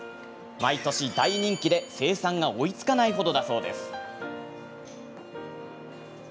毎年、大人気で生産が追いつかないほどだそうです。